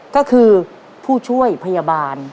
ก็คือผู้ช่วยพยาบาล